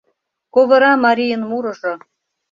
Ковыра марийын мурыжо